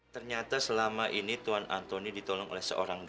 tidak ada yang bisa mencari teman lain